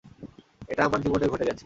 এটা আমার জীবনে ঘটে গেছে।